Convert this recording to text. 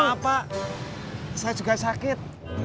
kenapa saya juga sakit